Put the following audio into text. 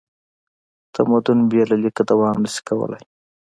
تمدن بې له لیکه دوام نه شي کولی.